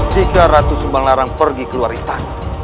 jika ratu subang larang pergi keluar istana